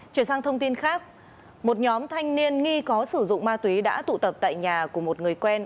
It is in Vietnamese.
chuyển sang thông tin khác một nhóm thanh niên nghi có sử dụng ma túy đã tụ tập tại nhà của một người quen